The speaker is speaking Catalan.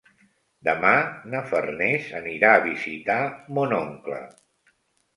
Demà na Farners anirà a visitar mon oncle.